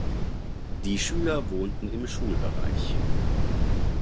Die Schüler wohnten im Schulbereich.